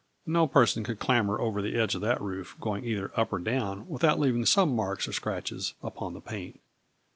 No person could clamber over the edge of that roof, going either up or down, without leaving some marks or scratches upon the paint.